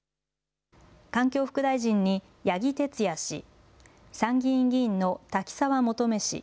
環境副大臣に八木哲也氏、参議院議員の滝沢求氏。